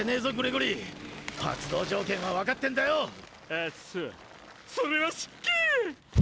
あっそそれは失敬！